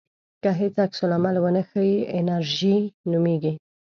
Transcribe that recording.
که هیڅ عکس العمل ونه ښیې انېرژي نومېږي.